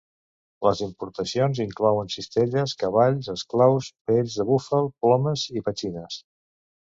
Les importacions inclouen cistelles, cavalls, esclaus, pells de búfal, plomes i petxines.